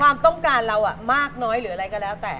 ความต้องการเรามากน้อยหรืออะไรก็แล้วแต่